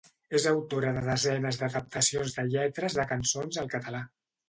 És autora de desenes d'adaptacions de lletres de cançons al català.